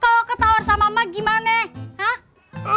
kalo ke tawar sama emak gimana